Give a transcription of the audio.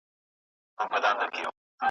یو سړی په دې یخنۍ کي مسافر سو .